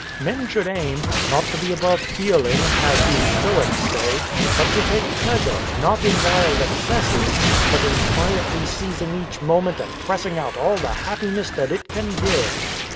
Men should aim — not to be above feeling — as you Stoics say — but to take pleasure, not in wild excesses, but in quietly seizing each moment and pressing out all the happiness that it can give.'